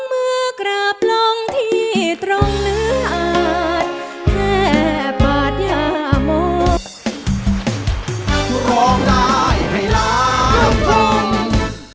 โปรดติดตามตอนต่อไป